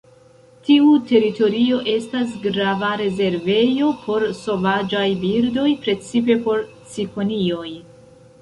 Tiu teritorio estas grava rezervejo por sovaĝaj birdoj, precipe por cikonioj.